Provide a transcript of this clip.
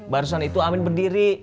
barusan itu amin berdiri